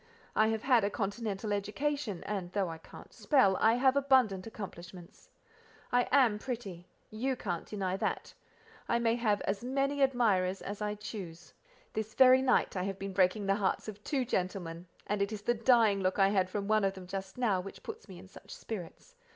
I have had a continental education, and though I can't spell, I have abundant accomplishments. I am pretty; you can't deny that; I may have as many admirers as I choose. This very night I have been breaking the hearts of two gentlemen, and it is the dying look I had from one of them just now, which puts me in such spirits.